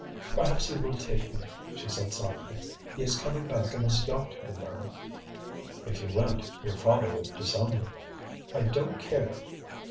"Perhaps he will take me," she said softly; "he is coming back in his yacht, you know." "If you went, your father would disown you." "I don't care."